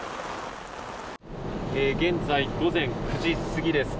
現在、午前９時過ぎです。